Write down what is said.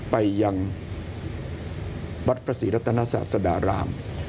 ไปยังวัตต์สิรษะสรรดาราม